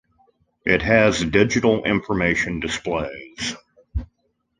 It has digital information displays.